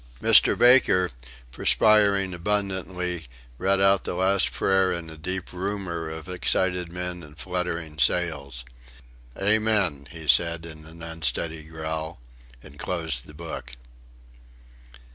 Mr. Baker, perspiring abundantly, read out the last prayer in a deep rumour of excited men and fluttering sails. "Amen!" he said in an unsteady growl, and closed the book.